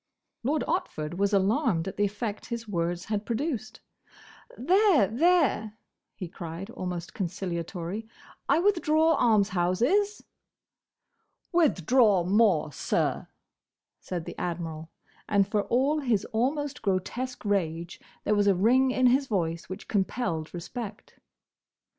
Lord Otford was alarmed at the effect his words had produced. "There! there!" he cried, almost conciliatorily, "I withdraw 'Almshouses!'" "Withdraw more, sir!" said the Admiral, and for all his almost grotesque rage, there was a ring in his voice which compelled respect.